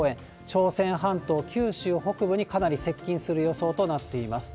朝鮮半島、九州北部にかなり接近する予想となっています。